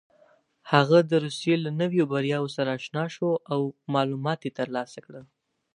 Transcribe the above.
هغه د روسيې له نویو بریاوو سره اشنا شو او معلومات یې ترلاسه کړل.